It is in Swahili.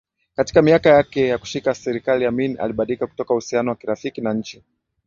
Katika miaka yake ya kushika serikali Amin alibadilika kutoka uhusiano wa kirafiki na nchi